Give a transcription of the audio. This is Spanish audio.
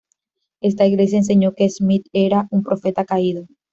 Este iglesia enseñó que Smith era un "profeta caído".